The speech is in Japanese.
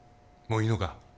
もういいのか？